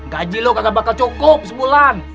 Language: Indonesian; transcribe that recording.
gaji lo kagak bakal cukup sebulan